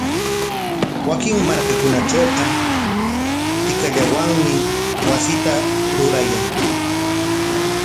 Wakin markakunatrawqa tikallawanmi wasita rurayan.